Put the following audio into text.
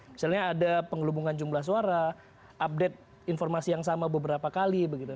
misalnya ada pengelubungan jumlah suara update informasi yang sama beberapa kali begitu